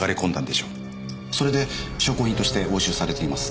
それで証拠品として押収されています。